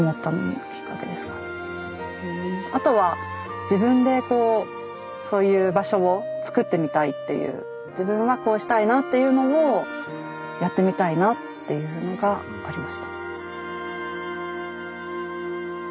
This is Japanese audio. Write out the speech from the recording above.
あとは自分でこうそういう場所を作ってみたいっていう自分はこうしたいなっていうのをやってみたいなっていうのがありました。